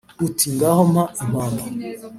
Uti: ngaho mpa impamba